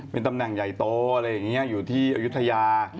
เป็นตำแหน่งใหญ่โตอยู่ที่อยุธยา